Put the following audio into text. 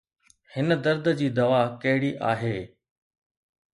هن درد جي دوا ڪهڙي آهي؟